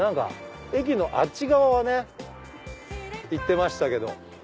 駅のあっち側はね行ってましたけど。